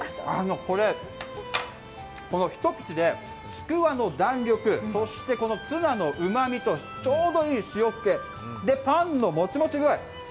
これ、この一口でちくわの弾力、そしてツナのうまみと、ちょどいい塩気、パンのもちもち具合